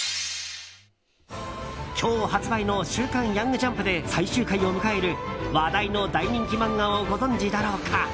今日発売の「週刊ヤングジャンプ」で最終回を迎える話題の大人気漫画をご存じだろうか？